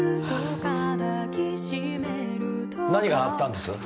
何があったんです？